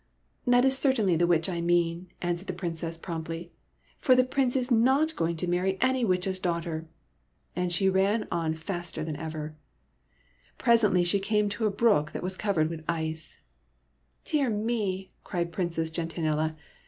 "That is certainly not the witch I mean," answered the Princess, promptly, "for the Prince is not going to marry any witch's daughter !" And she ran on faster than ever. SOMEBODY ELSE'S PRINCE 91 Presently she came to a brook that was covered with ice. '' Dear me !" cried Princess Gentianella.